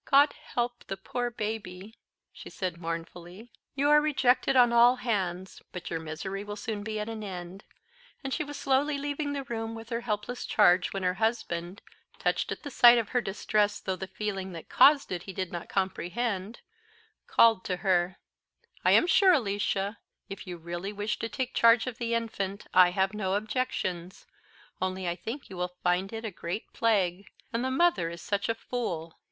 "God help thee, poor baby!" said she mournfully; "you are rejected on all hands, but your misery will soon be at a end;" and she was slowly leaving the room with her helpless charge when her husband, touched at the sight of her distress, though the feeling that caused it he did not comprehend, called to her, "I am sure, Alicia, if you really wish to take charge of the infant I have no objections; only I think you will find it la great plague, and the mother is such a fool."